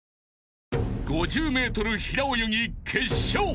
［５０ｍ平泳ぎ決勝］